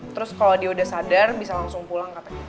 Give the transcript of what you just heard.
terus kalau dia udah sadar bisa langsung pulang katanya